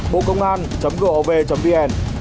bộ công an gov vn